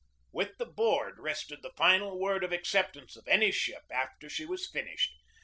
With the board rested the final word of acceptance of any ship after she was finished.